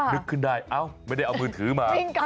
นึกขึ้นได้เอ้าไม่ได้เอามือถือมา